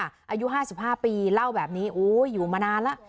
อายุห้าสิบห้าปีเล่าแบบนี้โอ้ยอยู่มานานล่ะ